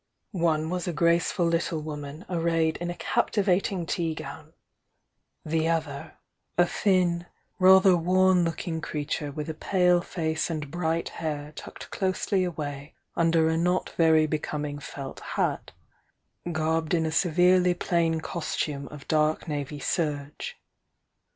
One was a graceful little woman arrayed in a captivating tea gown; the other, a thin, rather worn looking crea ture with a pale face and bright hair tucked closely sway under a not very becoming felt hat, garbed in a severiy plain costume of dark navy serge.